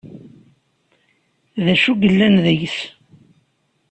D acu ay yellan deg-s?